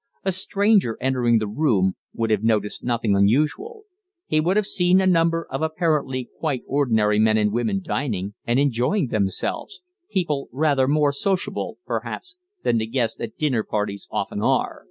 A stranger entering the room would have noticed nothing unusual; he would have seen a number of apparently quite ordinary men and women dining, and enjoying themselves, people rather more sociable, perhaps, than the guests at dinner parties often are.